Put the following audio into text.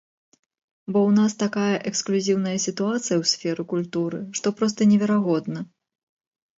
Бо ў нас такая эксклюзіўная сітуацыя ў сферы культуры, што проста неверагодна.